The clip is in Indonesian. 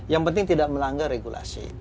yang penting tidak melanggar regulasi